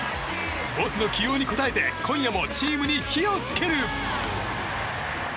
ボスの起用に応えて今夜もチームに火を付ける。